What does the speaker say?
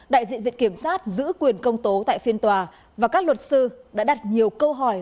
đại diện viện kiểm sát giữ quyền công tố tại phiên tòa và các luật sư đã đặt nhiều câu hỏi